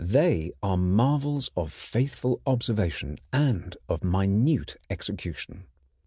They are marvels of faithful observation and of minute execution.